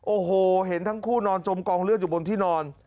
โอ้โหเห็นทั้งคู่นอนจมกองเลือดอยู่บนที่นอน